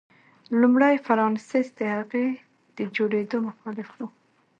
لومړي فرانسیس د هغې د جوړېدو مخالف و.